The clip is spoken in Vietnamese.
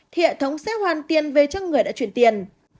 thì hệ thống sẽ hoàn tiền về cho người đã chuyển tiền